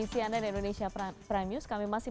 di cnn indonesia prime news kami masih